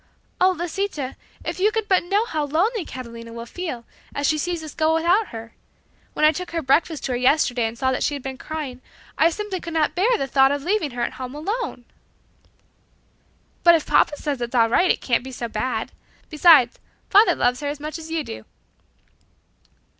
"Oh, Lisita, if you could but know how lonely Catalina will feel as she sees us go without her. When I took her breakfast to her yesterday and saw that she had been crying I simply could not bear the thought of leaving her at home alone." "But if papa says it is all right, it can't be so bad. Besides, father loves her as much as you do."